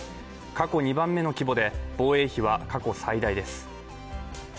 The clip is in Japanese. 過去２番目の規模で、防衛費は過去最大です。